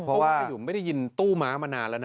เพราะว่าขยุมไม่ได้ยินตู้ม้ามานานแล้วนะ